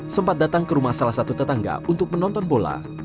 sempat datang ke rumah salah satu tetangga untuk menonton bola